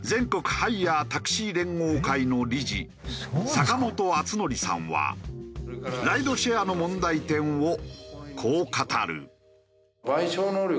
ハイヤー・タクシー連合会の理事坂本篤紀さんはライドシェアの問題点をこう語る。